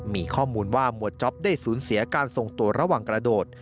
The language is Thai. มีข้อมูลว่าหมวดจ๊อปได้สูญเสียการทรงตัวระหว่างกระโดด